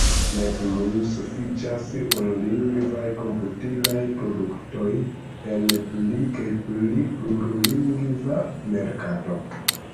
Ne plu sufiĉas unulingvaj komputilaj produktoj en pli kaj pli plurlingva merkato.